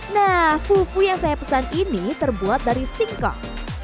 nah fufu yang saya pesan ini terbuat dari singkong